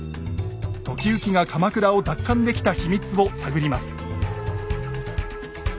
時行が鎌倉を奪還できた秘密を探ります。